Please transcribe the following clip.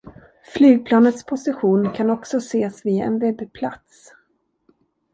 Flygplanets position kan också ses via en webbplats.